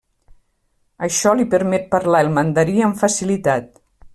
Això li permet parlar el Mandarí amb facilitat.